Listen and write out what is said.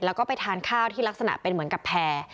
แล้วก็ไปทานข้าวที่ลักษณะเป็นเหมือนกับแพร่